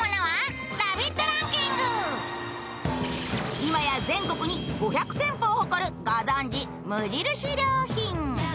今や全国に５００店舗を誇るご存じ無印良品。